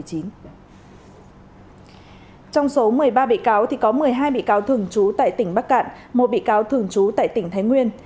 trong số một mươi ba bị cáo thì có một mươi hai bị cáo thường trú tại tỉnh bắc cạn một bị cáo thường trú tại tỉnh thái nguyên